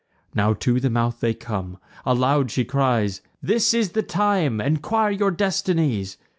Now to the mouth they come. Aloud she cries: "This is the time; enquire your destinies.